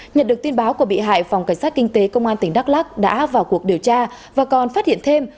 nhận được tin báo của bị hại phòng cảnh sát kinh tế công an tỉnh đắk lắc đã vào cuộc điều tra và còn phát hiện thêm